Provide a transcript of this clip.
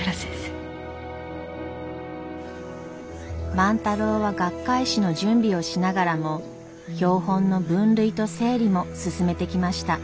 万太郎は学会誌の準備をしながらも標本の分類と整理も進めてきました。